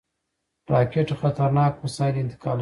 راکټ خطرناک وسایل انتقالوي